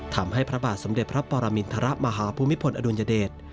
ทำให้พระบาทสมเด็จพระปรามิณฑระมหาภูมิพลอดุลยเดช